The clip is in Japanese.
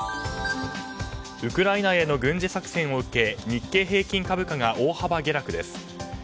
ウクライナへの軍事作戦を受け日経平均株価が大幅下落です。